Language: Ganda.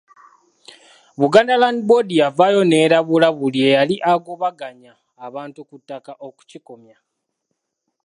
Buganda Land Board yavaayo n'erabula buli eyali agobaganya abantu ku ttaka okukikomya.